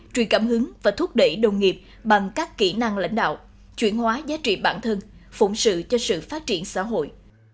truyền cảm hứng và thúc đẩy đồng nghiệp bằng các kỹ năng lãnh đạo chuyển hóa giá trị bản thân phụng sự cho sự phát triển xã hội